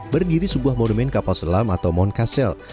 berdiri sebuah monumen kapal selam atau mount kassel